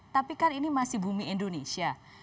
tapi kan ini masih bumi indonesia